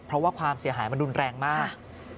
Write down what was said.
เพราะว่าความเสียหายมันรุนแรงมาก